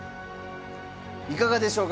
いかがでしょうか？